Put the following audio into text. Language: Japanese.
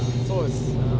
そうです。